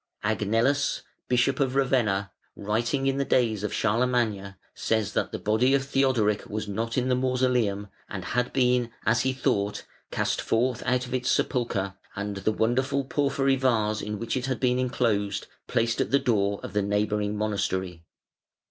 Agnellus, Bishop of Ravenna, writing in the days of Charlemagne, says that the body of Theodoric was not in the mausoleum, and had been, as he thought, cast forth out of its sepulchre, and the wonderful porphyry vase in which it had been enclosed placed at the door of the neighbouring monastery.